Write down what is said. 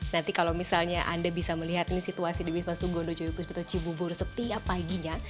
nanti kalau misalnya anda bisa melihat situasi di wisma sugondo cibubur setiap paginya